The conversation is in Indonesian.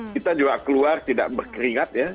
kita juga keluar tidak berkeringat ya